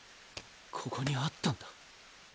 ここにあったんだ。